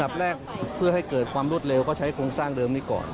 แรกเพื่อให้เกิดความรวดเร็วก็ใช้โครงสร้างเดิมนี้ก่อน